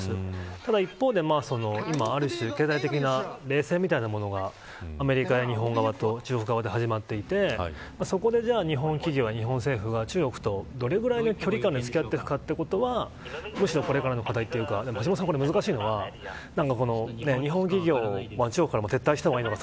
ただ一方で経済的冷戦みたいなものがアメリカと日本側と中国側で始まっていて日本企業や日本政府が中国とどのぐらいの距離感で付き合うかというのがむしろ、これからの課題というか難しいのは日本企業は中国から撤退した方がいいのか。